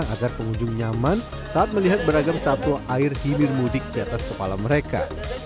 agar pengunjung nyaman saat melihat beragam satwa air hilir mudik di atas kepala mereka